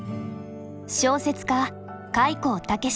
小説家